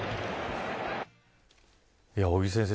尾木先生